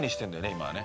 今はね。